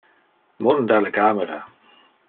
Munda le camera!